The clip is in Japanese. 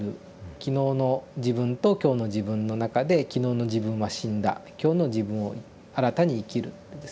昨日の自分と今日の自分の中で昨日の自分は死んだ今日の自分を新たに生きるっていうですね。